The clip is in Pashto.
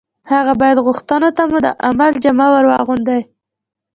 هغه باید غوښتنو ته مو د عمل جامه ور واغوندي